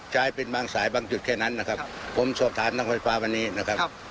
ใช้เป็นบางสายบางจุดแค่นั้นนะครับผมสอบถามนางไฟฟ้าวันนี้นะครับ